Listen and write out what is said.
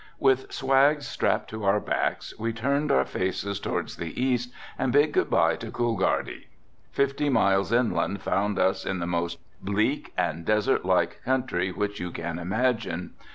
With swags strapped on our backs we turned our faces towards the east and bid good bye to Coolgardie. Fifty miles inland found us in the most bleak and desert like country which you can imagine.